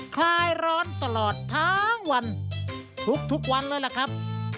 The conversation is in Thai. คลายร้อนตลอดทั้งวันทุกวันเลยล่ะครับ